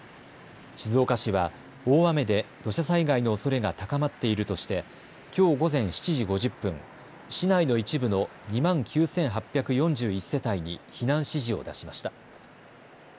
静岡市は大雨で土砂災害のおそれが高まっているとしてきょう午前７時５０分、市内の一部の２万９８４１世帯に避難指示を出しました。